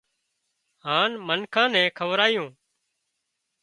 هانَ منکان نين کوَرايون